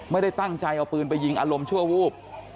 ไม่ได้ตั้งใจเอาปืนไปยิงอารมณ์ชั่ววูบ